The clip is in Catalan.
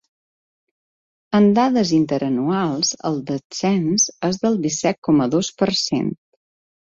Amb dades interanuals, el descens és del disset coma dos per cent.